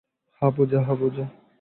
হ্যাঁ, পূজা।